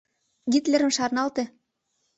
Гитлерым шарналте.